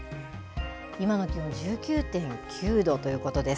今の気温１９．９度ということです。